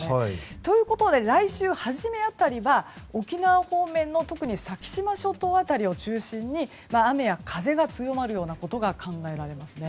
ということで来週初め辺りは沖縄方面の特に先島諸島辺りを中心に雨や風が強まるようなことが考えられます。